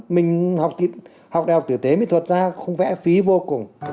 mình học đại học tử tế mới thuật ra không vẽ phí vô cùng